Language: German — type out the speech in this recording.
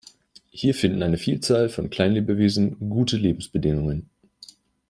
Hier finden eine Vielzahl von Kleinlebewesen gute Lebensbedingungen.